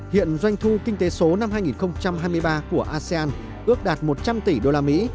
hiện doanh thu kinh tế số năm hai nghìn hai mươi ba của asean ước đạt một trăm linh tỷ usd